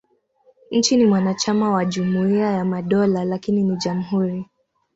Nchi ni mwanachama wa Jumuiya ya Madola, lakini ni jamhuri.